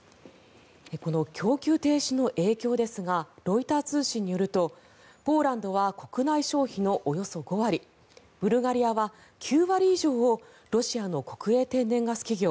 この供給停止の影響ですがロイター通信によるとポーランドは国内消費のおよそ５割ブルガリアは９割以上をロシアの国営天然ガス企業